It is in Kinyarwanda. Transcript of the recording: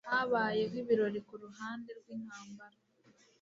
habayeho ibirori kuruhande rwintambara